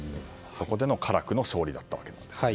そこでの辛くの勝利だったんですね。